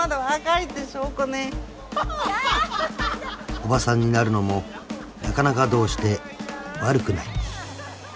［おばさんになるのもなかなかどうして悪くない］